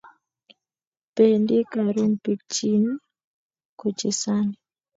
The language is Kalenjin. Pendi karun pik china kochesani